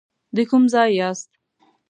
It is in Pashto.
د کوم ځای یاست.